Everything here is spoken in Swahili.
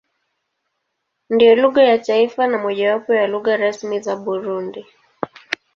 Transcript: Ndiyo lugha ya taifa na mojawapo ya lugha rasmi za Burundi.